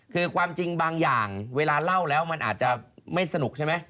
คือความจริงบางอย่างเวลาเล่าแล้วมันอาจจะไม่สนุกใช่ไหม